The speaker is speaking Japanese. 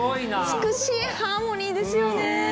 美しいハーモニーですよね。